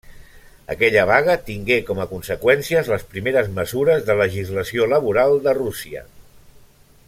Aquella vaga tingué com a conseqüències les primeres mesures de legislació laboral de Rússia.